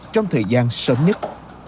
trong thời gian sớm nhất